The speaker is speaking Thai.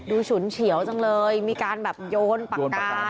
ฉุนเฉียวจังเลยมีการแบบโยนปากกา